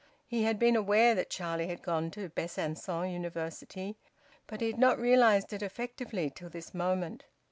He had been aware that Charlie had gone to Besancon University, but he had not realised it effectively till this moment.